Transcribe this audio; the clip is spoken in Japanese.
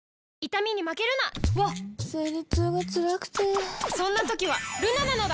わっ生理痛がつらくてそんな時はルナなのだ！